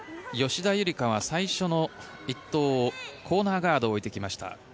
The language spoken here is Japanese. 吉田夕梨花は最初の１投コーナーガードを置いてきました。